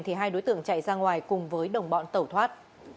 thì hai đối tượng chạy ra ngoài cùng với đồng bọn tẩu thoát